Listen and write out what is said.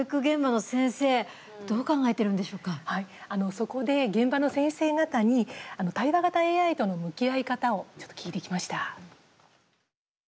そこで現場の先生方に対話型ＡＩとの向き合い方をちょっと聞いてきました。